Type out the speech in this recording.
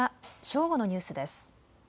正午のニュースです。